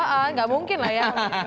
enggak mungkin lah ya